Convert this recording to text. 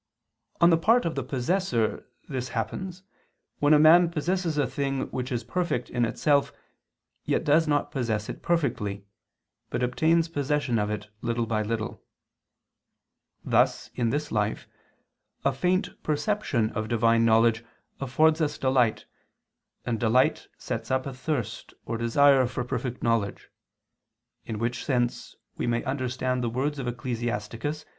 On the part of the possessor, this happens when a man possesses a thing which is perfect in itself, yet does not possess it perfectly, but obtains possession of it little by little. Thus in this life, a faint perception of Divine knowledge affords us delight, and delight sets up a thirst or desire for perfect knowledge; in which sense we may understand the words of Ecclus.